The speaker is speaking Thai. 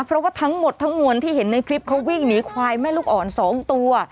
เพราะว่าทั้งหมดทั้งมวลที่เห็นในคลิปเขาวิ่งหนีควายแม่ลูกอ่อน๒ตัว